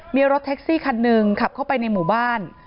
มีรถแท็กซี่คันหนึ่งขับเข้าไปในหมู่บ้าน